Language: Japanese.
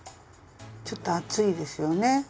ちょっと厚いですよね？